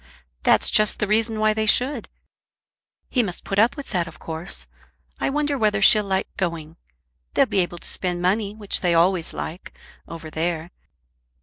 "That's just the reason why they should. He must put up with that of course. I wonder whether she'll like going. They'll be able to spend money, which they always like, over there.